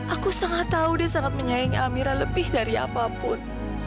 aku sangat tahu dia sangat menyayangi amira lebih dari apapun